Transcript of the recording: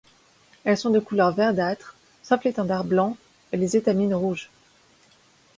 Elles sont de couleur verdâtre sauf l'étendard blanc et les étamines rouges.